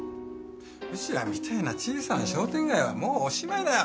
うちらみてえな小さな商店街はもうおしまいだよ。